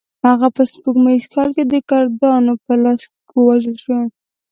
هغه په سپوږمیز کال کې د کردانو په لاس ووژل شو.